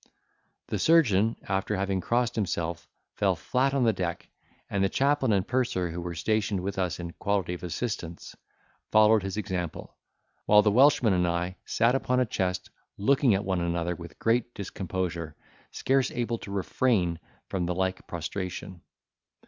The surgeon, after having crossed himself, fell flat on the deck; and the chaplain and purser, who were stationed with us in quality of assistants, followed his example, while the Welshman and I sat upon a chest looking at one another with great discomposure, scarce able to refrain from the like prostration.